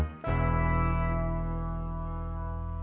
baju baru gitu